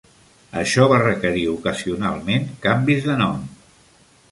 Això va requerir, ocasionalment, canvis de nom.